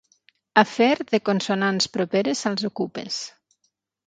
Afer de consonants properes als okupes.